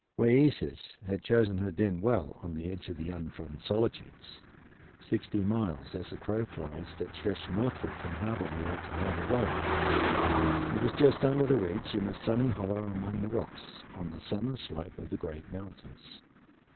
Wayeeses had chosen her den well, on the edge of the untrodden solitudes sixty miles as the crow flies that stretch northward from Harbor Weal to Harbor Woe. It was just under the ridge, in a sunny hollow among the rocks, on the southern slope of the great mountains.